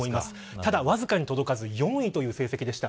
ただ、わずかに届かず４位という成績でした。